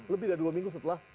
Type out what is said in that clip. lebih dari dua minggu setelah